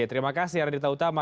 terima kasih arie ditota